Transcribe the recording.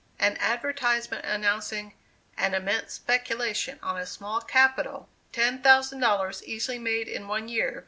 An advertisement announcing "An immense speculation on a small capital! $10,000 easily made in one year!"